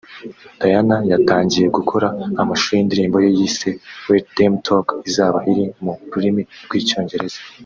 Diyen yatangiye gukora amashusho yindirimbo ye yise ‘Let them talk’ izaba iri mu rurimi rw’icyongereza